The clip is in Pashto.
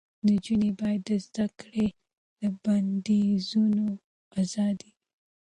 نجونې باید د زده کړې له بندیزونو آزادې وي.